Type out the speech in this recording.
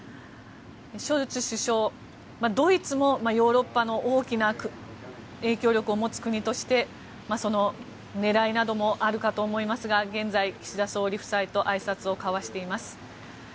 ショルツ首相、ドイツもヨーロッパの大きな影響力を持つ国として狙いなどもあるかと思いますが現在、岸田総理夫妻とあいさつを交わしています。